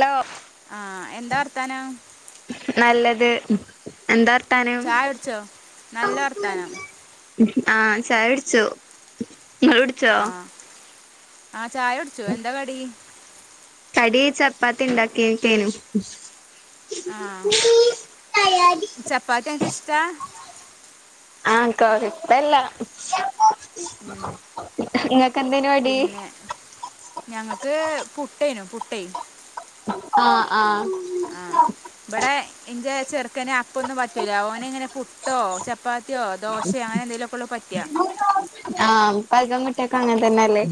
Law ആഹ് എന്താ ർത്താനം? നല്ലത് എന്താ ർത്താനം? ചായ കുടിച്ചോ നല്ല വർത്താനം ആഹ് ചായുട്ച്ചു. ഇങ്ങളുട്ച്ചോ? ആഹ് ചായുട്ച്ചു. എന്താ കടി? കടി ചപ്പാത്തി ണ്ടാക്കിക്കെന്നു. ആഹ് ചപ്പാത്തി അൻക്കിഷ്ടാ? ആ കൊയപ്പല്ല ഉം. പിന്നെ ഞങ്ങക്ക് പുട്ടേനു പുട്ടെയ് ആഹ് ആഹ് ആഹ് ഇബടെ ഇന്റെ ചെർക്കന് അ- പ്പൊന്നും പറ്റൂല ഓന് ങ്ങനെ പുട്ടോ ചപ്പാ ത്ത്യൊ ദോശേ അങ്ങനെ ന്തേലൊക്കൊള്ളൂ പറ്റാ പ്പ ധികം കുട്ട്യെക്കങ്ങൻതന്നല്ലേ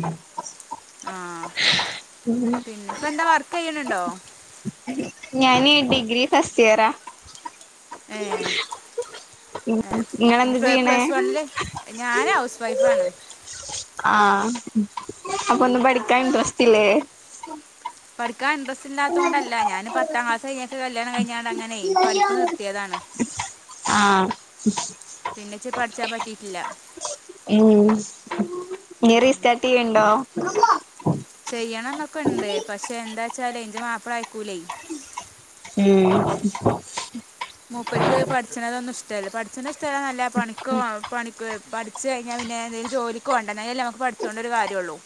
ആഹ് പിന്നെ പ്പെന്താ വർക്കെയ്യ്ണ് ണ്ടോ? ഞാന് ഡിഗ്രി ഫസ്റ്റിയറാ ഏഹ് ഏഹ് പിന്നെ ഇങ്ങളെന്താ പ്ല ചെയ്യണേ പ്ലസ് വണില് ഞാനൗസ് വൈഫാണ്. ആഹ് അപ്പൊ ഒന്നും പഠിക്കാൻ ഇൻട്രസ്റ്റ് ഇല്ലേ? പഠിക്കാൻ ഇൻട്രസ്റ്റ് ഇല്ലാതോണ്ടല്ല ഞാന് പത്താം ക്ലാസ് കഴിഞ്ഞിട്ട് കല്യാണം കഴിഞ്ഞാണ്ട് അങ്ങനെ പഠിപ്പ് നിർത്തിയതാണ് ആഹ് പിന്നെച്ച് പഠിച്ചാൻ പറ്റിയിട്ടില്ല ഉം [unintelligible] റീസ്റ്റാർട്ട് ചെയ്യണ്ടോ ചെയ്യണം ന്നൊക്കെ ഇണ്ട് പക്ഷെ എന്താ വെച്ചാല് ന്റെ മാപ്പള അയക്കൂലേ ഉം മൂപ്പർക്ക് പഠിച്ചണതൊന്നും ഇഷ്ടല്ല പഠിച്ച്ണെ ഷ് ട്ടല്ല പണിക്കോ പണിക്പോയ് പഠിച്ച് കഴിഞ്ഞാൽ പിന്നെ എന്തെങ്കിലും ജോലി ക്ക് പോണ്ടേ എന്നാലല്ലേ നമക്ക് പഠിച്ചുകൊണ്ടൊരു കാര്യ ഉള്ളൂ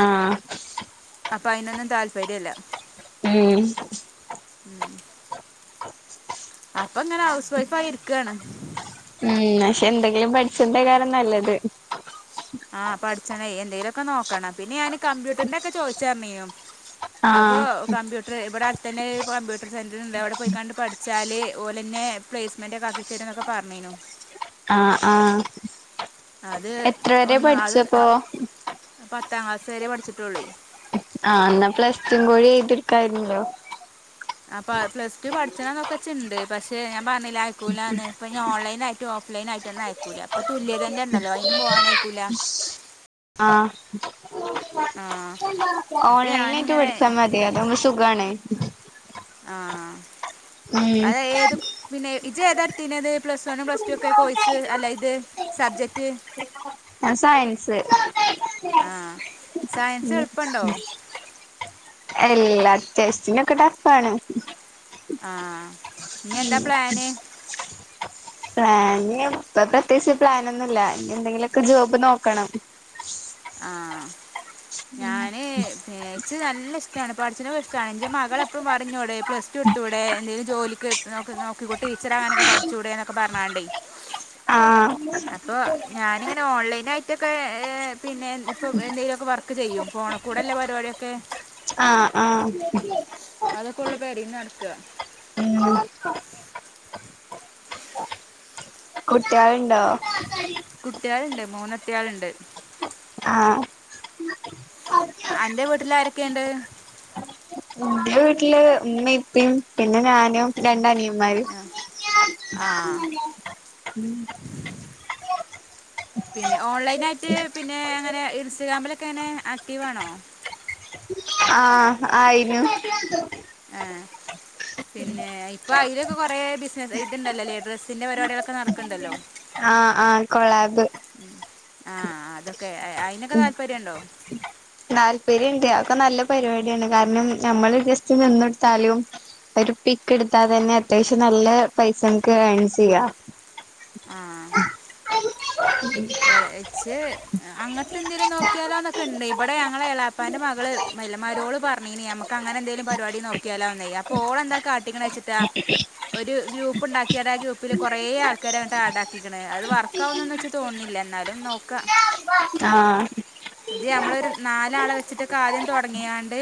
ആഹ് അപ്പൊ അതിനൊന്നും താല്പര്യം ഇല്ല ഉം. ഉം അപ്പൊ അങ്ങനെ ഹൗസ് വൈഫ് ആയി ഇരിക്കാണ് ഉം പക്ഷെ എന്തെങ്കിലും പഠിച്ചന്റെ കാര്യാ നല്ലത് ആഹ പഠിച്ചണേ എന്തേലൊക്കെ നോക്കണം പിന്നെ ഞാന് കമ്പ്യൂട്ടറിന്റെറെ ഒക്കെ ചോദിച് അറിഞ്ഞിരുന്ന് അപ്പോ ആഹ് കമ്പ്യൂട്ടർ ഇവിടെ അടുത്തന്നെ കമ്പ്യൂട്ടർ സെന്റർണ്ട് അവിടെ പോയി കണ്ട് പഠിച്ചാൽ ഓല് തന്നെ പ്ലേസ്മെന്റ് ഒക്കെ ആക്കിത്തരുന്നൊക്കെ പറഞ്ഞിരുന്നു. ആഹ് ആഹ് അത് എത്ര വരെ ഒന്ന് അത് പഠിച്ചപ്പോ പത്താം ക്ലാസ് വരെ പഠിച്ചിട്ടൊളളു ആഹ് എന്നാ പ്ലസ്ടും കൂടി ഇട്കായിരുന്ന്ല്ലോ അപ്പോൾ പ്ലസ് ടു പഠിച്ചണമെന്നൊക്കെ ഉണ്ട് പക്ഷേ ഞാൻ പറഞ്ഞില്ലേ അയക്കുലാന്ന്ഓൺലൈനായിട്ടും ഓഫ് ലൈനായിട്ടൊന്നും അയക്കൂല്ല. അപ്പൊ തുല്യത തന്നെ ഉണ്ടല്ലോ അയിനും പോവാനയിക്കൂല ആഹ് അപ്പം ഓൺലൈനിലായിട്ട് ഞാനിങ്ങനെ പഠിച്ചാൽ മതി അതാകുമ്പോ സുഖവാണ് ആ അത് ഏത് പിന്നെ ഇജ് എതാ ഇടുതിന്ന സബ് ജക്ട് ൻ സയൻസ് ആഹ സയൻസ് എളുപ്പണ്ടോ എല്ലാ സ്റ്റിനൊക്കെ ടഫാണ് ആഹ ഇ എന്താ പ്ലാന് പ്ലാന് ഇപ്പ പ്രത്യേകിച്ച് പ്ലാനൊന്നുംല്ല ഇ എന്തെങ്കിലും ഒക്കെ ജോബ് നോക്കണം ആഹ ഞാന് ഇച്ച് നല്ല ഇഷ്ടമാണ് പഠിച്ച ണത് ഇഷ്ടമാണ് എന്റെ മകള എപ്പഴു പറഞ്ഞോടെ പ്ലസ് ടു പഠിച്ചുടെ ജോലിക്ക് നോക്കിക്കൂട്ട് ടീച്ചർ ആകാനൊക്കെ പഠിച്ചു ടെന്നൊക്കെ പറഞ്ഞാണ്ടേ ആഹ് അപ്പൊ ഞാനിങ്ങനെ ഓൺലൈൻ ആയിട്ടൊക്കെ ഏ പിന്നെ ഇപ്പൊ എന്തെങ്കിലുമൊക്കെ വർക്ക് ചെയ്യും ഫോണുകൂടെല്ല പരിപടിയൊക്കെ ആഹ് [unintelligible] അതൊക്കെ ഉള്ള പേരീന്ന് നടക ഉം [inaudible] കുട്ടിളോണ്ടോ കുട്ടിയികളുണ്ട് മൂന്ന്‌ കുട്ടിയാളുണ്ട് ആഹ അന്റെ വീട്ടിൽ ആരൊക്കെയുണ്ട് എന്റെ വീട്ടില് ഉമ്മ ഇപ്പിപിന്നെ ഞാനും രണ്ട് അനിയൻ ആ ആ രും പിന്നെ ഓൺലൈൻ ആയിട്ട് പിന്നെ അങ്ങന പിന്നെ ഇൻസ്റ്റഗ്രാമിലൊക്കെ എങ്ങെനെ ആക്റ്റീവ് ആണോ ആഹ ആയിനു ആ പിന്നെ ഐ- അപ്പോൾ അയിൽ ഒക്കെ കുറെ ബിസിനസ് ഇ ഉണ്ടല്ലേ ഡ്രസ്സിൻ്റെ പരിപാടികൊക്കെ നടക്കുന്നുണ്ടല്ലോ ആഹ ആഹ കൊളാബ് ആഹ അതൊക്കെ അ- അതിനൊക്കെ ഉ താല്പര്യമുണ്ടോ താല്പര്യ ഇണ്ട് ഒക്കെ നല്ല പരിപാടിയാണ് കാരണം നമ്മൾ ജസ്റ്റ് നിന്നെടുത്താലും മതി ഒരു പിക്ക് എടുത്താതെ തന്നെ അത്യാവശ്യം നല്ല പൈസ നമക്ക് എൺസ്ചെയ്യാം ആ എച്ച് അങ്ങ ഇത്‌എന്തേലും നോക്കിയാലോ എന്നൊക്കെ ഇണ്ട് ഇവിടെ ഞങ്ങളെഎളെപ്പാന്റെ മകള് മല്ലന്മാരോട് പറനിനി നമുക്ക് അങ്ങനെ എന്തേലും പരിപാടി നോക്കിയാലോ ഒന്നേ അപ്പൊ ഓളെന്താ കാട്ടികണ വെച്ചിട്ടാ ഒരു ഗ്രൂപ്പ് ഉണ്ടാക്കിയാൽ ആ ഗ്രൂപ്പില് കൊറെേ ആൾക്കാരെ അങ്ങട്ട് ആടാക്കിക്ക്ണ് അത് വർക്കാവുന്നന്ന് വെച്ച തോന്നില്ല എന്നാലും നോക്കാ ആ ഇത് നമ്മളൊരു നാലാളെ വെച്ചിട്ട് കാര്യം തുടങ്ങിയാണ്ട്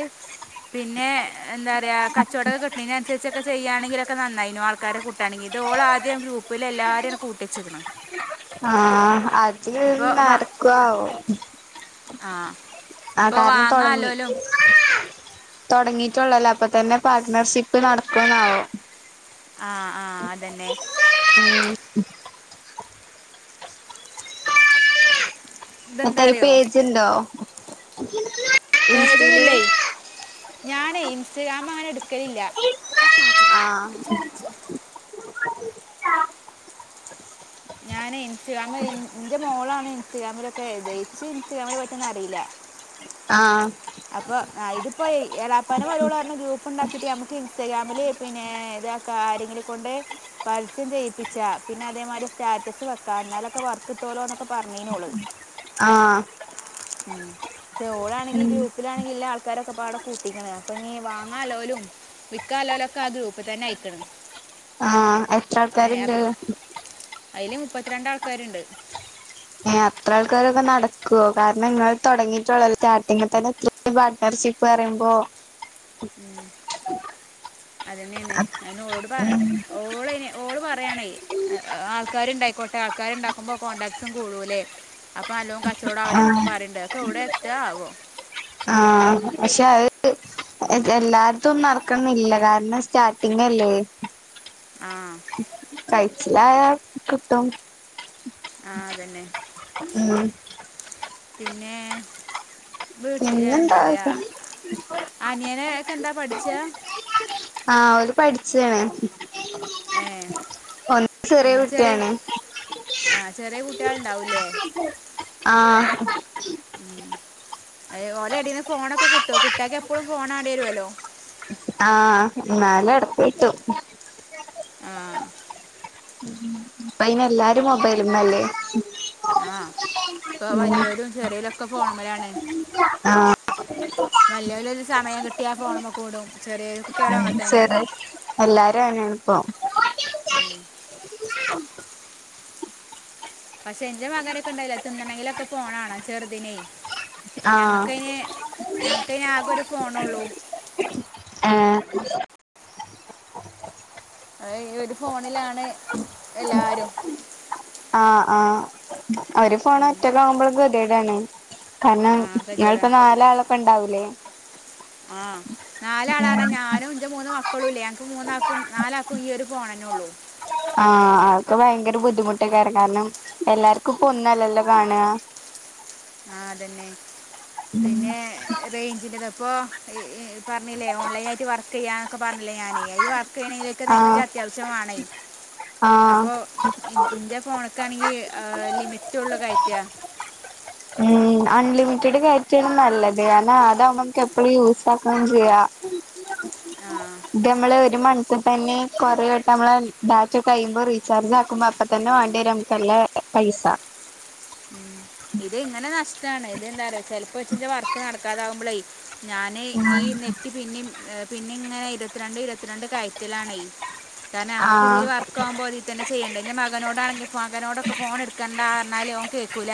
പിന്നെ എന്താ പറയാ കച്ചവടൊക്ക കിട്ടുണേനനുസരിച്ച് കെ ചെയ്യാണെങ്കിലൊക്കെ നന്നായിനും ആൾക്കാരെ കൂട്ടാണെങ്കിൽ ഇതോള ആദ്യം ഗ്രൂപ്പിലെ എല്ലാരേം കൂട്ടിച്ച്ക്ക്ണ് ആ അത് നടക്കുവോ ആവോ ആഹ് ആ കാരണം തുടങ്ങി തുടങ്ങിയിട്ടുള്ളല്ലോ അപ്പൊ തന്നെ പാർട്ട്ണർഷിപ്പ് നടക്കൂന്നാവോ ആഹ് ആഹ് അതന്നെ ഉം അപ്പോ ഇതെന്താ ഈ അറിയോ പേജുണ്ടോ ഇൻസ്റ്റയില് ഞാനെ ഇൻസ്റ്റഗ്രാം അങ്ങനെ എടുക്കലില്ല ആഹ് [unintelligible] ഞാനെ ഇൻസ്റ്റഗ്രാമ് ഇന്റെ മോളാ ണ് ഇൻസ്റ്റഗ്രാമിലൊക്കെ ഇത്‌ ഇച്ച് ഇസ്റ്റഗ്രാമിനെ പറ്റി ഒന്നും അറിയില്ല ആഹ് അപ്പൊ ഇതിപ്പോ എളാപ്പാടെ മരുമോള് പറഞ്ഞ് ഗ്രൂപ്പ് ഉണ്ടാ ക്കീട്ട് നമുക്ക് ഇൻസ്റ്റഗ്രാമില് പിന്നെ ഇതൊക്കെ ആരെങ്കിലും കൊണ്ട് പരസ്യം ചെയ്യിപ്പിച്ചാം പിന്നെ അതേമാതിരി സ്റ്റാറ്റസ് വെക്കാം എന്നാലൊക്കെ വർക്ക്‌ കിട്ടോലോന്നൊക്കെ പറഞ്ഞീനു ഓള് ആഹ് ഉം പക്ഷേ ഓളാണെങ്കിൽ ഗ്രൂപ്പിലാണെങ്കി എല്ലാ ആൾ ക്കാരൊക്കെപാടെ കൂട്ടിക്കണ് അപ്പൊ ഇനി വാങ്ങാൻ ഉള്ളോരും വിക്കാൻ ഉള്ളോരും ഒക്കെ ആ ഗ്രൂപ്പിൽ തന്നെ ആയിക്കണ് ആഹ് എത്ര ആൾക്കാരുണ്ട് അയില് മുപ്പത്തിരണ്ട് ആൾക്കാരുണ്ട് ഏ അത്ര ആൾക്കാരൊക്കെ നടക്കുവോ കാരണം നിങ്ങൾ തുടങ്ങിയിട്ടുള്ള സ്റ്റാർട്ടിങ്ങിൽ തന്നെ തൃ ആൾക്കാര് ചി ഈ പറയുമ്പോ ഉം അതിന് തന്നെ അയിനോളോട് പറ ഓളഅയിന് പറയാണേ ആൾക്കാരുണ്ടായിക്കോട്ടെ ആൾക്കാരുണ്ടാക്കുമ്പോ കോൺടാക്ട്സും കൂടൂല്ലേ അപ്പൊ നല്ലോം ക ച്ചോടാവൂലെ [unintelligible] എന്നൊക്കെ ആഹ് പറയ്ണ്ട് ഒക്കെ ഇവിടെ എത്ത്അ ആവോ ആ പക്ഷെ ആ [inaudible] എല്ലാർത്തും നടക്കണംന്നില്ല കാരണം സ്റ്റാർട്ടിങ്ങല്ലേ ആ കഴിച്ചില്ലാ കിട്ടും ആ അതന്നെ ഉം പിന്നെ വീട്ടിൽ എന്താ പിന്നെന്താ പറയുക അനിയനെ ഒക്കെ എന്താ പഠിച്ച ആ ഒര് പഠിച്ചയാണ് എ പിന്നെ ചെറിയ ആ ചെറിയ കുട്ടികള് ഉണ്ടാവൂല്ലേ ആ ഉം അ ഓല എടെന്ന് ഫോണൊക്കെ കിട്ടുവോ കുട്ടികക്ക് എപ്പഴും ഫോണാണ്ടിവരുവല്ലോ എന്നാല് എടക്ക്‌ കിട്ടും ആ ഇപ്പം അയിന് എല്ലാരും മൊബൈലന്നല്ലേ ആഹ് ഇപ്പം വലിയൊരും ചെറിയയിലൊക്കെ ഫോണും മേലാണ് ആഹ് വലിയരായാലും സമയം കിട്ടിയാ ഫോണമോ കൂടും ചെറിയ കുട്ടികളും അങ്ങനെ തന്നെ ചെറ് എല്ലാരും [unintelligible] [inaudible] [inaudible] പക്ഷെ എന്റെ മകനൊക്കെ ഇണ്ടല്ലോ തിന്നണങ്കിലൊക്കെ ഫോൺ മാണം ചെറുതിനെ ആഹ് ഞങ്ങക്കന് ഞങ്ങക്കന് ആകെ ഒരു ഫോണേള്ളു [inaudible] ഈ ഒരു ഫോണിലാണ് എല്ലാരും ആഹ് ആഹ് അവര് ഫോണ് [unintelligible] കാരണം ആ ങ്ങൾപ്പോ ഗതികേടാണ് നാലാളൊക്കെ ഉണ്ടാവൂലേ ആഹ് നാലാള് ആണ്‌ ഞാനും എന്റെ മൂന്ന് മക്കളുംല്ലേ ഞങ്ങക്ക് മൂന്നാക്കും നാലാക്കും ഈ ഒരു ഫോണേ ഉള്ളൂ ആഹ് അതൊക്കെ ഭയങ്കര ബുദ്ധിമുട്ട്ക്കെണ് കാരണം എല്ലാർക്കും ഇപ്പം ഒന്നല്ലല്ലോ കാണുക ആഹ് അത് തന്നെ പിന്നെ റേയ്ഞ്ച്ന്റെ ഇപ്പൊ പറഞ്ഞില്ലേ ഓൺലൈൻ ആയിട്ട് വർക്ക് ചെയ്യാന്നൊക്കെ പറഞ്ഞില്ലേ ഞാന് ഈ വർ ണെങ്കിലേ നെറ്റ് ആഹ് അത്യാവശ്യമാണേ ആഹ് അപ്പോ ഇന്റെ ഫോണ്ക്കാണെങ്കിൽ ലിമിറ്റുള്ള കയറ്റാ ഉം അൺലിമിറ്റഡ് കയറ്റാണ് നല്ലത് അതാകു നമക്ക് എപ്പഴും യൂസ് ആക്കയും ചെയ്യാം ആഹ് ഇത് നമ്മള് ഒരു മന്തിൽ തന്നെ കൊറോ വട്ടം നമ്മള് ബാറ്റ കഴിയുമ്പോൾ റീചാർജ് ആക്കുമ്പോ അപ്പ തന്നെ വ വരും നല്ല പൈസ ഇത് ഇങ്ങനെ നഷ്ടാണ് ഇതന്താ ചെലപ്പോ വർക്ക് നടക്കാതാവുമ്പോളേ ഞാനീ ഈ നെറ്റ് പിന്നെ പിന്നെ ഇങ്ങനെ ഇരുപത്തിരണ്ട് ഇരുപത്തിരണ്ട് കയറ്റലാണേ കാരണം നമുക്ക് ഇതില് ആഹ് വർക്ക് ആകുമ്പോ അതിൽ തന്നെ ചെയ്യണ്ട മകനോടാണെങ്കിൽ മകനോട് ഫോൺ എടുക്കണ്ടാറഞ്ഞാൽ ലോ കേക്കൂല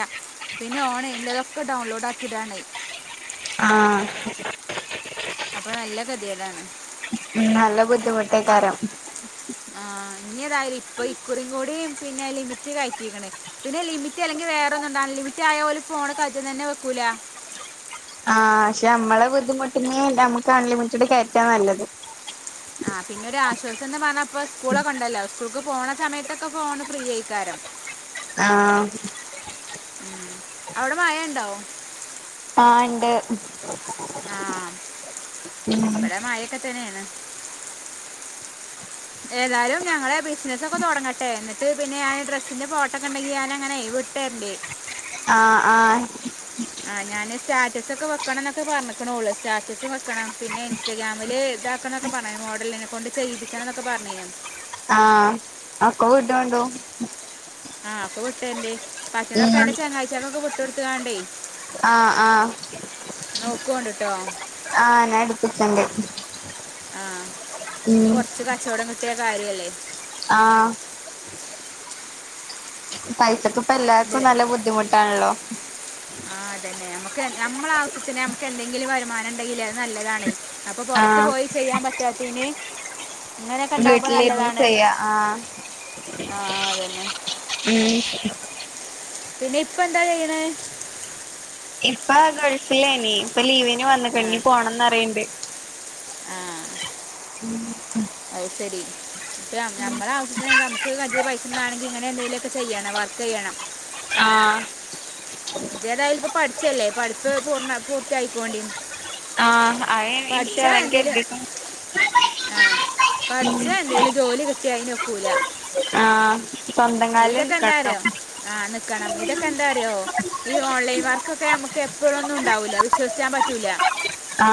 പിന്നെ ഓൺഇ ള്ള തൊക്കെ ഡൗൺലോഡ് ആക്കിടാണേ ആഹ് അപ്പൊ നല്ല കതിയെടാണേ ഉം നല്ല ആഹ് ബുദ്ധിമുട്ടേക്കാരം ആഹ് ഇങ്ങതായാലും ഇപ്പൊ ഇകുരികൂടിം പിന്നെ ലിമിറ്റ് കഴണ് പിന്നെ ലിമിറ്റ് അല്ലെങ്കിൽ വേറെ ഒന്നുംണ്ടാവല്ല ലിമിറ്റ് ആയ പോലും ഫോണ് കയറ്റ തന്നെ വെക്കൂല [inaudible] ആഹ് പക്ഷെ നമ്മളെ ബുദ്ധിമുട്ടന് നല്ല നമ്മുക്ക് അൺലിമിറ്റഡ് കയറ്റാ നല്ലത് ആഹ് പിന്നെ ഒരു ആശ്വാസം എന്ന് പറഞ്ഞാപ്പ സ്കൂളക്കോണ്ടല്ലോ സ്കൂൾക്ക് പോണ സമയത്തൊക്കെ ഫോണ് ഫ്രീ [unintelligible] ആഹ് ഉം അവിടെ മാഴ ഉണ്ടോ ആഹ് ഇണ്ട് ആഹ് ഉം ഇവിടെ മഴൊക്കെ തന്നെയാണ് ഏതാലും ഞങ്ങളെ ബിസിനസ് ഒക്കെ തുടങ്ങട്ടെ എന്നിട്ട് പിന്നെ ഞാൻ ഡ്രസ്സിന്റെ ഫോട്ടോക്കെ ഉണ്ടെങ്കി ഞാൻ അങ്ങനെ ചെയ്യും [unintelligible] വിട്ടരാണ്ട് ആഹ് ആഹ് ആഹ് ഞാന് സ്റ്റാറ്റസ് ഒക്കെ വെക്കണം എന്നൊക്കെ പറഞ്ഞക്കണള്ളൂ സ്റ്റാറ്റസ് വെക്കണം പിന്നെ ഇൻസ്റ്റഗ്രാമില് ഇതാക്കണം എന്നൊക്കെ പറയന് മോഡലിനെ കൊണ്ട് ചെയ്തിപ്പിക്കാം എന്നൊക്കെ പറഞ്ഞയാ ആഹ് അക്ക വിട്ട ഉണ്ടോ [unintelligible] ആ അപ്പംവിറ്റാരൻഡ് പട്ടനൊക്കെ അന്റെ ചങ്ങായിച്ചികവിട്ടകൊടക്കണ്ട ആഹ് ആഹ് നോക്കുകൊണ്ട് കേട്ടോ ആഹ് ഞാൻ എടുപ്പിച്ചണ്ട് ആഹ് കൊറച്ച് കച്ചവടം കിട്ടിയ കാര്യല്ലേ ആ പൈസക്പ്പല്ലാർക്കും ഇത് നല്ല ബുദ്ധിമുട്ടാണല്ലോ ആഹ്തന്നെ നമുക്ക് നമ്മള ആവശത്തിന്നെ നമുക്ക് എന്തെങ്കിലും വരുമാനംണ്ടെങ്കിലത് നല്ലതാണെ അപ്പൊ പൊറത്ത് ആഹ് പോയി ചെയ്യാൻ പറ്റാത്തീന് വീട്ടിലിര്ന്ന് ചെയ്യ ആ ആ അതന്നെ ഉം പിന്നെ ഇപ്പൊ എന്താ ചെയ്യ്ണേ ഇപ്പ ഗേൾഫിലേനി പ്പ ലീവിന് വന്ന് ആ ഞ്ഞ് പോണംന്ന് പറിയ്ണ്ട് ആ അത് ശരി ഇപ്പ നമ്മളെ ആവശ്യത്തിന് നമക്ക് കജ്ജ് പൈസാണെങ്കിൽ ഇങ്ങനെ എന്തെങ്കിലൊക്കെ ചെയ്യണം വർക്ക് ചെയ്യണം ആ ജ്തേതായാല ഇപ്പ പഠിച്ചല്ലേ പഠിപ്പ് പൂർണ പൂർത്തി ആയിക്കോണ്ടി ആ അത് ഇൻഷാ പഠിച്ചാ അള്ളാ എനിക്ക് എന്തേല് കരുതിക്ക്ണ് ആ ഉം പഠിച്ച എന്തെലും ജോലി കിട്ടിയ അയ്നൊക്കൂല ആ സ്വന്തം കാല്നിക്കണം ക്കണം ഇതൊക്കെ എന്താറിയോ ഈ ഓൺലൈൻ വർക്കൊക്കെ നമുക്ക് എപ്പഴൊന്നുംണ്ടാവുല വിശ്വസിച്ചാൻ പറ്റൂല ആ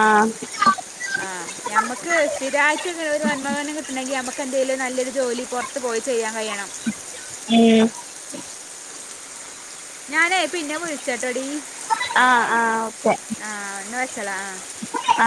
ആ നമക്ക് സ്ഥിരായ്ട്ട് ഒരു [unintelligible] കിട്ടണെങ്കി നമുക്ക് എന്തേിലും നല്ലൊരു ജോലി പുറത്ത് പോയി യ്യാൻ കയ്യണം ഉം ഞാനേ പിന്നെ വിളിച്ചട്ടടീ ആ ആ ഓക്കെ ഹലോആ [unintelligible] ആ